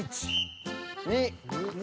２。